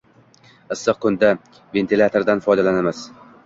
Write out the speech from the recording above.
issiq kunda ventilyatordan foydalanimiz